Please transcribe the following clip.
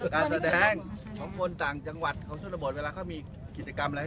การแสนแสนกระโปะของคนจากจังหวัดเวลาเค้ามีผิดกัดตัว